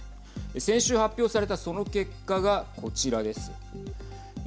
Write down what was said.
先週、発表されたその結果がこちらです。